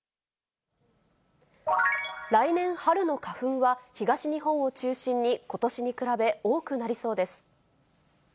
来年春の花粉は、東日本を中心に、ことしに比べ多くなりそうです。